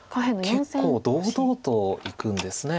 結構堂々といくんですね。